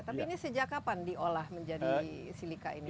tapi ini sejak kapan diolah menjadi silika ini